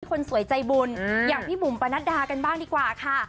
คนสวยใจบุญอย่างพี่บุ๋มปนัดดากันบ้างดีกว่าค่ะ